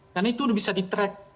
karena itu bisa di track